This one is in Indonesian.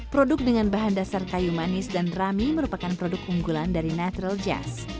produk dengan bahan dasar kayu manis dan rami merupakan produk unggulan dari natural jazz